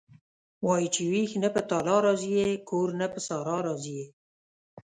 وايي چې وېش نه په تالا راضي یې کور نه په صحرا راضي یې..